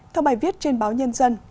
theo bài viết trên báo nhân dân